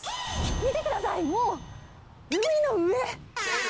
見てください、もう海の上！